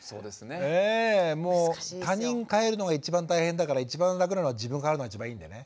ええもう他人変えるのが一番大変だから一番楽なのは自分変わるのが一番いいんでね。